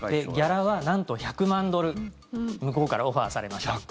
ギャラはなんと１００万ドル向こうからオファーされました。